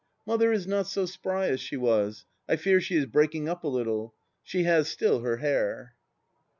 Mother is not so spry as she was ; I fear she is breaking up a little. She has still her hair.